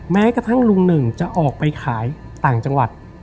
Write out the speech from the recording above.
แม้กระทั่งลุงหนึ่งจะออกไปขายต่างจังหวัด